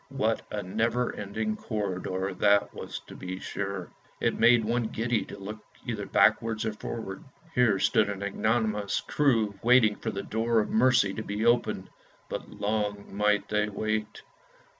What a never ending corridor that was to be sure; it made one giddy to look either backwards or forwards. Here stood an ignominious crew waiting for the door of mercy to be opened, but long might they wait.